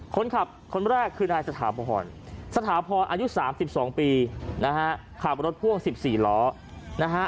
คนขับคนแรกคือนายสถาพรสถาพรอายุ๓๒ปีนะฮะขับรถพ่วง๑๔ล้อนะฮะ